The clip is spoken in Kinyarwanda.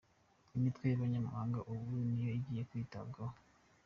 Imitwe y’abanyamahanga ubu niyo igiye kwitabwaho